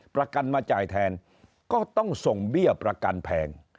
ประกันมาจ่ายแทนก็ต้องส่งเบี้ยประกันแพง